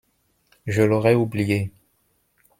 Je l’aurai oubliée.